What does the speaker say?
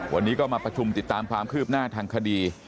วันนี้ก็มาประชุมติดตามความคืบหน้าทางคดี